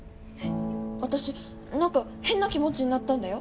私なんか変な気持ちになったんだよ。